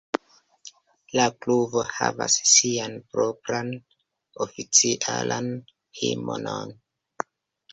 La klubo havas sian propran oficialan himnon.